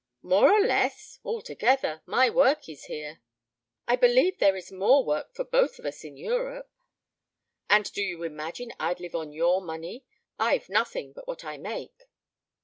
"More or less? Altogether. My work is here." "I believe there is more work for both of us in Europe." "And do you imagine I'd live on your money? I've nothing but what I make."